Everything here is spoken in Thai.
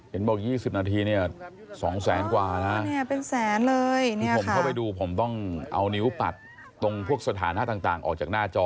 บอก๒๐นาทีเนี่ย๒แสนกว่านะเนี่ยเป็นแสนเลยนี่ผมเข้าไปดูผมต้องเอานิ้วปัดตรงพวกสถานะต่างออกจากหน้าจอ